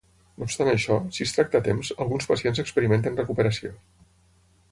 No obstant això, si es tracta a temps, alguns pacients experimenten recuperació.